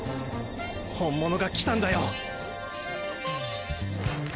本物が来たんだよ。